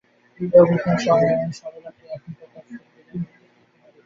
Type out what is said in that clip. এও বুঝলুম, সরলাকে এখানকার কাজ থেকে বিদায় করে দিই, এই তোমার ইচ্ছা।